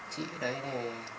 chị ở đấy thì